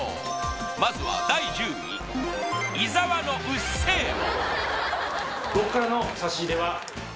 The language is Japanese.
まずは第１０位伊沢の「うっせぇわ」